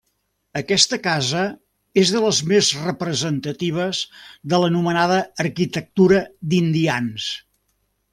Aquesta casa és de les més representatives de l'anomenada arquitectura d'indians.